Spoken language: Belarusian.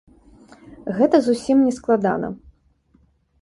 Гэта зусім не складана.